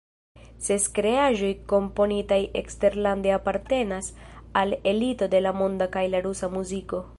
Ses kreaĵoj komponitaj eksterlande apartenas al elito de la monda kaj la rusa muziko.